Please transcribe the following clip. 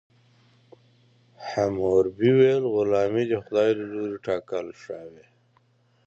حموربي ویل غلامي د خدای له لورې ټاکل شوې.